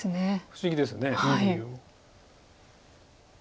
不思議です。